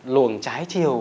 luồng trái chiều